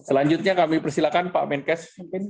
selanjutnya kami persilakan pak menkes mungkin